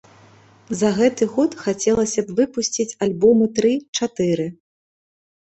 За гэты год хацелася б выпусціць альбомы тры-чатыры.